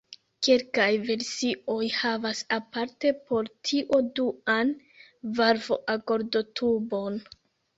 Kelkaj versioj havas aparte por tio duan valvo-agordotubon.